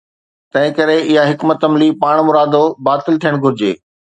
تنهن ڪري اها حڪمت عملي پاڻمرادو باطل ٿيڻ گهرجي.